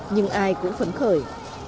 nhưng ai cũng có thể làm được